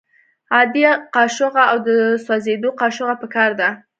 عادي قاشوغه او د سوځیدو قاشوغه پکار ده.